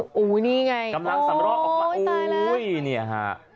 โอ้โหนี่ไงโอ้โหตายแล้ว